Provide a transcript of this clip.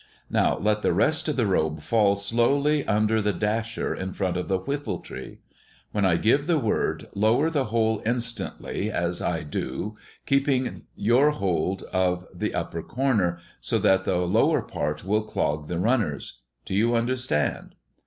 Now let the rest of the robe fall slowly over the dasher in front of the whiffletree. When I give the word, lower the whole instantly, as I do, keeping your hold of the upper corner, so that the lower part will clog the runners. Do you understand?"